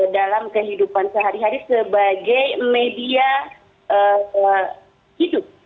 dalam kehidupan sehari hari sebagai media hidup